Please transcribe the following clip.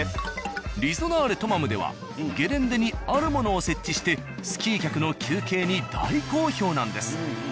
「リゾナーレトマム」ではゲレンデにあるものを設置してスキー客の休憩に大好評なんです。